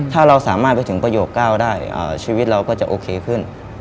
ถ้าเราสามารถไปถึงประโยค๙ได้ชีวิตเราก็จะโอเคขึ้น